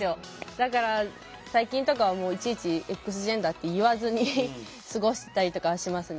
だから最近とかはいちいちＸジェンダーって言わずに過ごしたりとかはしますね。